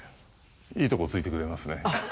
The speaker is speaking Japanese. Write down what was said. いいとこ突いてくれますね。